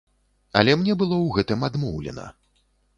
Але мне было ў гэтым адмоўлена.